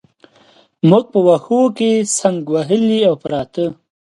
موږ په وښو کې څنګ وهلي او پراته.